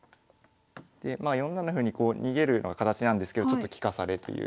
まあ４七歩に逃げるような形なんですけどちょっと利かされという。